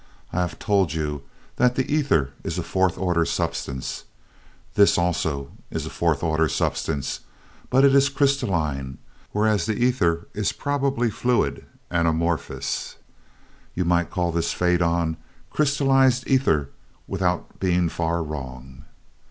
I have told you that the ether is a fourth order substance this also is a fourth order substance, but it is crystalline, whereas the ether is probably fluid and amorphous. You might call this faidon crystallized ether without being far wrong."